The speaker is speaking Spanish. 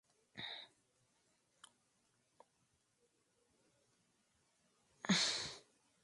Adosada al lado de la Epístola se encontraba la casa del ermitaño.